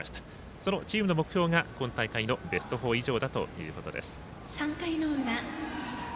そのチームの目標が今大会のベスト４以上だということです。